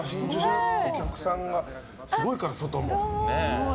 お客さんがすごいから、外も。